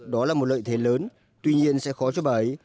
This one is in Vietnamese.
đó là một lợi thế lớn tuy nhiên sẽ khó cho bà ấy